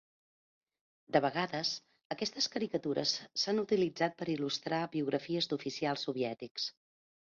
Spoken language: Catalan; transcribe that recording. De vegades, aquestes caricatures s'han utilitzat per il·lustrar biografies d'oficials soviètics.